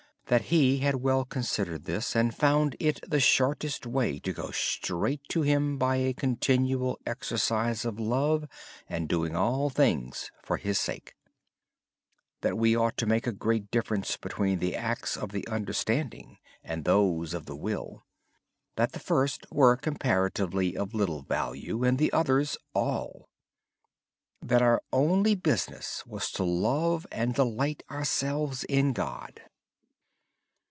He had well considered this. He found that the shortest way to go straight to God was by a continual exercise of love and doing all things for His sake. He noted that there was a great difference between the acts of the intellect and those of the will. Acts of the intellect were comparatively of little value. Acts of the will were all important. Our only business was to love and delight ourselves in God.